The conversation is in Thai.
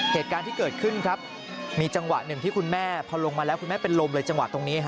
เหตุการณ์ที่เกิดขึ้นครับมีจังหวะหนึ่งที่คุณแม่พอลงมาแล้วคุณแม่เป็นลมเลยจังหวะตรงนี้